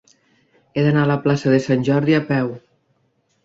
He d'anar a la plaça de Sant Jordi a peu.